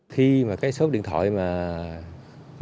khi mà cái số điện thoại